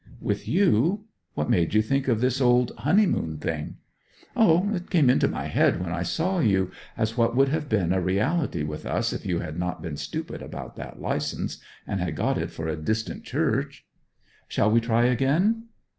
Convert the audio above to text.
'With you. What made you think of this old "Honeymoon" thing?' 'O! it came into my head when I saw you, as what would have been a reality with us if you had not been stupid about that licence, and had got it for a distant church.' 'Shall we try again?'